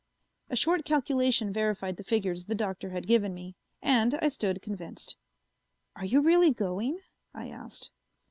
A short calculation verified the figures the Doctor had given me, and I stood convinced. "Are you really going?" I asked.